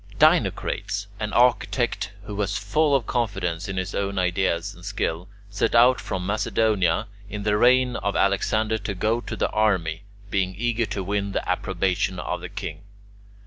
Dinocrates, an architect who was full of confidence in his own ideas and skill, set out from Macedonia, in the reign of Alexander, to go to the army, being eager to win the approbation of the king.